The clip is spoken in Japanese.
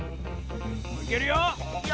いけるよ！